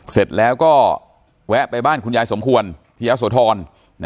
เสร็จแล้วก็แวะไปบ้านคุณยายสมควรที่ยะโสธร